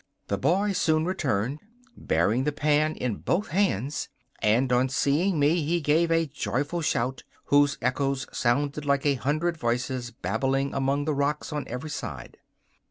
The boy soon returned, bearing the pan in both hands, and on seeing me he gave a joyful shout, whose echoes sounded like a hundred voices babbling among the rocks on every side.